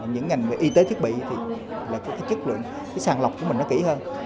những ngành về y tế thiết bị thì là chất lượng sàn lọc của mình nó kỹ hơn